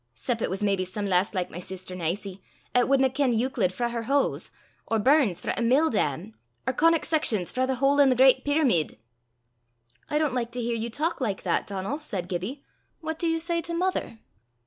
'cep it was maybe some lass like my sister Nicie, 'at wadna ken Euclid frae her hose, or Burns frae a mill dam, or conic sections frae the hole i' the great peeramid." "I don't like to hear you talk like that, Donal," said Gibbie. "What do you say to mother?"